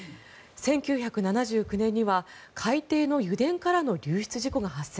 １９７９年には海底の油田からの流出事故が発生。